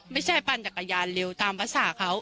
ปั่นจักรยานเร็วตามภาษาเขา